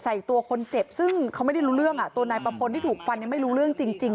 ตัวคนเจ็บซึ่งเขาไม่ได้รู้เรื่องอ่ะตัวนายประพลที่ถูกฟันยังไม่รู้เรื่องจริง